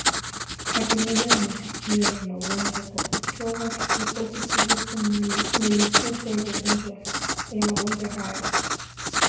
ufuatiliaji wa matukio ya magonjwa kwa kutoa ripoti kuhusu milipuko ya magonjwa hayo